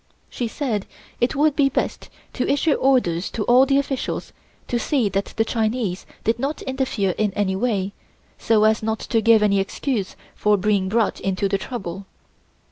She said it would be best to issue orders to all the officials to see that the Chinese did not interfere in any way, so as not to give any excuse for being brought into the trouble.